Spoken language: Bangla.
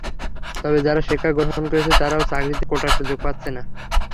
তবে যারা শিক্ষা গ্রহণ করছে তারাও চাকরিতে কোটার সুযোগ পাচ্ছে না।